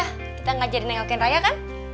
kita ngajarin yang ngelukin raya kan